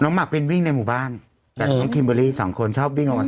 น้องมากปลินวิ่งโบรรณตอนปุ่นกลิ้งพี่คิมบอลี่๒คนชอบวิ่งกับมัน